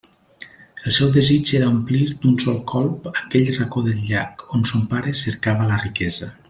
El seu desig era omplir d'un sol colp aquell racó del llac on son pare cercava la riquesa.